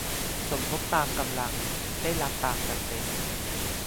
สมทบตามกำลัง ได้รับตามจำเป็น